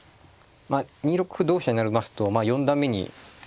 ２六歩同飛車になりますと四段目に。